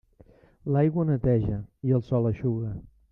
L'aigua neteja i el sol eixuga.